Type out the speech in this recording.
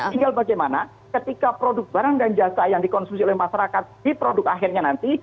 tinggal bagaimana ketika produk barang dan jasa yang dikonsumsi oleh masyarakat di produk akhirnya nanti